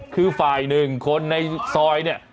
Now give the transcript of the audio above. คือฝ่ายหนึ่งคนในซอยเนี่ย